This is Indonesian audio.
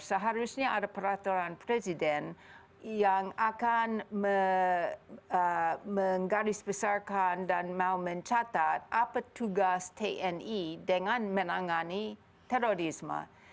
seharusnya ada peraturan presiden yang akan menggaris besarkan dan mau mencatat apa tugas tni dengan menangani terorisme